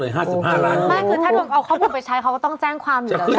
ไม่คือถ้าดวงเอาข้อมูลไปใช้เขาก็ต้องแจ้งความอยู่แล้ว